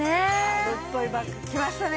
春っぽいバッグきましたね。